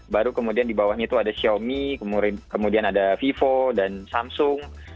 baru kemudian di bawahnya itu ada xiaomi kemudian ada vivo dan samsung